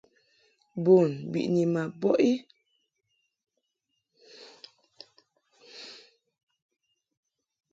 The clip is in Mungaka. Bun biʼni ma bɔʼ i ti.